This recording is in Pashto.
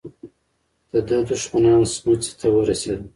د ده دښمنان سموڅې ته ورسېدل.